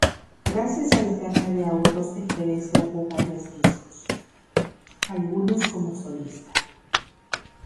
Gracias a la Caja de Ahorros de Jerez grabó varios discos, algunos como solista.